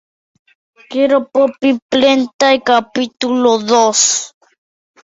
Solo su corazón está ubicado en la tumba familiar.